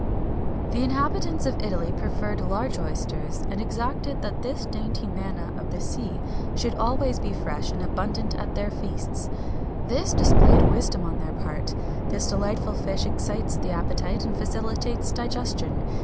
[XXI 225] The inhabitants of Italy preferred large oysters,[XXI 226] and exacted that this dainty manna of the sea[XXI 227] should be always fresh and abundant at their feasts.[XXI 228] This displayed wisdom on their part: this delightful fish excites the appetite and facilitates digestion.